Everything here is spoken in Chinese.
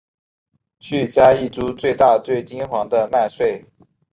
去摘一株最大最金黄的麦穗